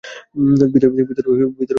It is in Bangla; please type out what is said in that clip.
ভিতরে দিয়ে দাও।